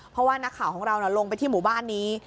เพราะว่านักข่าวของเราลงไปที่หมู่บ้านนี้